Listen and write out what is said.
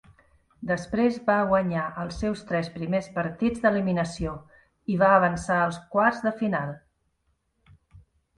Després va guanyar els seus tres primers partits d'eliminació, i va avançar als quarts de final.